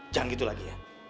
jangan gitu lagi ya